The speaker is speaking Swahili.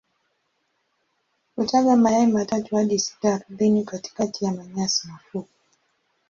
Hutaga mayai matatu hadi sita ardhini katikati ya manyasi mafupi.